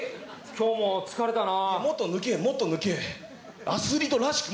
今日も疲れたな。